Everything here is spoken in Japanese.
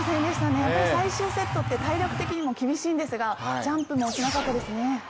最終セットって体力的にも厳しいんですがジャンプも落ちなかったですね。